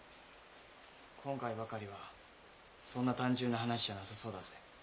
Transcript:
今回ばかりはそんな単純な話じゃなさそうだぜ。